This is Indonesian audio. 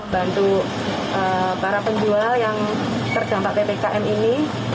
bantu para penjual yang terdampak ppkm ini